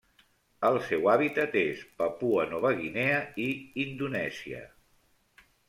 El seu hàbitat és Papua Nova Guinea i Indonèsia.